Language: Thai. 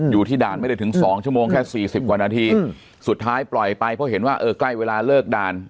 อยู่ที่ด่านไม่ได้ถึง๒ชั่วโมงแค่สี่สิบกว่านาทีสุดท้ายปล่อยไปเพราะเห็นว่าเออใกล้เวลาเลิกด่าน